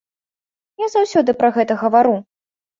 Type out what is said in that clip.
Я заўсёды пра гэта гавару.